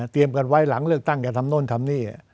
กันไว้หลังเลือกตั้งจะทำโน่นทำนี่